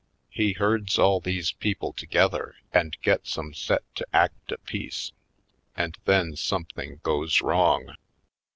He herds all these people together and gets 'em set to act a piece. And then some thing goes wrong.